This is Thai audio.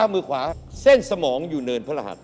มือขวาเส้นสมองอยู่เนินพระรหัส